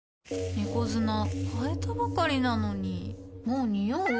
猫砂替えたばかりなのにもうニオう？